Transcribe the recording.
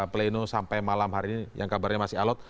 pleno sampai malam hari ini yang kabarnya masih alot